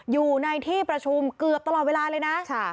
อยู่ในที่ประชุมเกือบตลอดเวลาเลยนะ